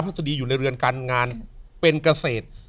ดาวพฤษฎีอยู่ในเรือนการงานเป็นเกษตร